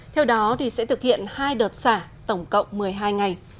theo đó sẽ thực hiện hai đợt xả tổng cộng một mươi hai ngày